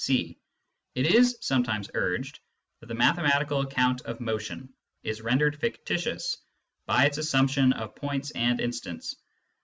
(c) It is sometimes urged that the mathematical account of motion is rendered fictitious by its assumption of points and instants.